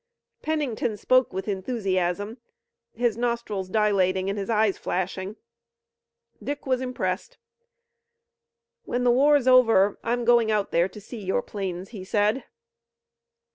Pennington spoke with enthusiasm, his nostrils dilating and his eyes flashing. Dick was impressed. "When the war's over I'm going out there to see your plains," he said.